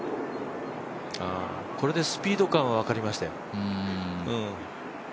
これでスピード感は分かりましたよ。